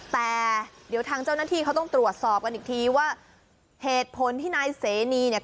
แต่เดี๋ยวทางเจ้าหน้าที่เขาต้องตรวจสอบกันอีกทีว่าเหตุผลที่นายเสนีเนี่ย